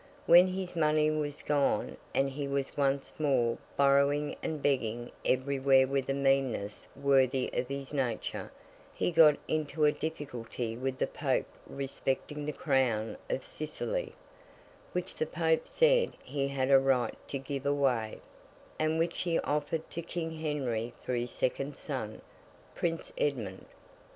When his money was gone, and he was once more borrowing and begging everywhere with a meanness worthy of his nature, he got into a difficulty with the Pope respecting the Crown of Sicily, which the Pope said he had a right to give away, and which he offered to King Henry for his second son, Prince Edmund.